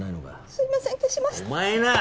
すいません消しましたお前なあ！